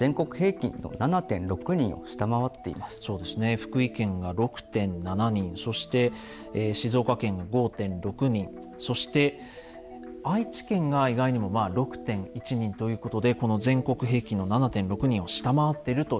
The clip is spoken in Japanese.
福井県が６．７人そして静岡県が５．６人そして愛知県が意外にもまあ６．１人ということでこの全国平均の７．６人を下回ってるということなんですね。